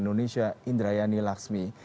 indonesia indrayani laksmi